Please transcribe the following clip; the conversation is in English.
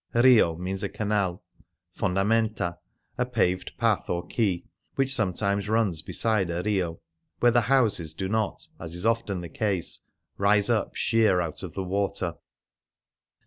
Rio means a canal ; fondamenta^ a paved path or quay, which sometimes runs beside a rioy where the houses do not (as is often the case) rise up sheer out of the water.